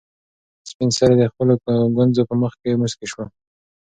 سپین سرې د خپلو ګونځو په منځ کې موسکۍ شوه.